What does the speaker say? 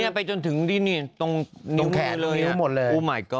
นี่จนถึงนี่ตรงแหนวหมดเลยโอ้มายก็อด